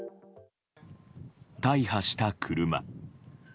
大破した車。